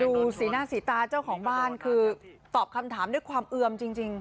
สีหน้าสีตาเจ้าของบ้านคือตอบคำถามด้วยความเอือมจริง